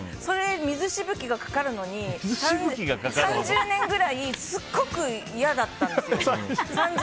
水しぶきがかかるのに３０年ぐらいすごく嫌だったんですよ。